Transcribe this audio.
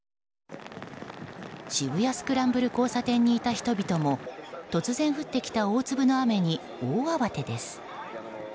渋谷スクランブル交差点にいた人々も突然降ってきた大粒の雨に大慌てです。